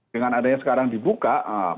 dengan adanya sekarang dibuka